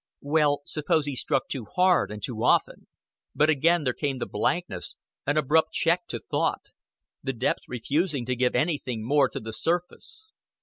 Well, suppose he struck too hard, and too often. But again there came the blankness an abrupt check to thought the depths refusing to give anything more to the surface.